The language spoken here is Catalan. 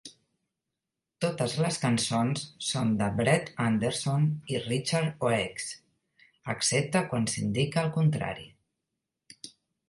Totes les cançons són de Brett Anderson i Richard Oakes excepte quan s'indiqui el contrari.